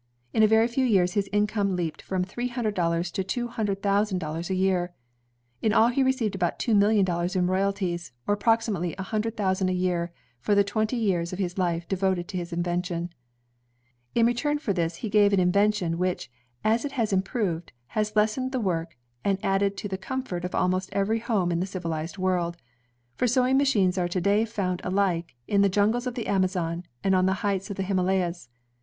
In a very few years his income leaped from three hundred dollars to two hundred thousand dollars a year. In all he received about two million dollars in royalties, or ap proximately a hundred thousand a year, for the twenty years of his life devoted to his invention. In return for this he gave an invention, which, as it has improved, has lessened the work and added to the com fort of almost every home in the civilized world; for sewing machines are to day found alike in the jungles of the Amazon, and on the heights of the Himalayas.